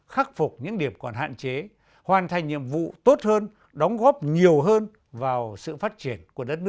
khắc phục những điểm còn hạn chế hoàn thành nhiệm vụ tốt hơn đóng góp nhiều hơn vào sự phát triển